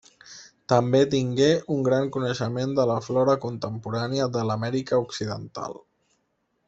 També tingué un gran coneixement de la flora contemporània de l'Amèrica occidental.